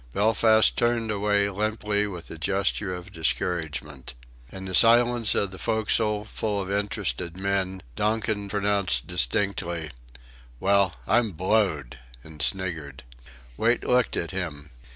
Belfast turned away limply with a gesture of discouragement. In the silence of the forecastle, full of interested men, Donkin pronounced distinctly: "Well, I'm blowed!" and sniggered. Wait looked at him.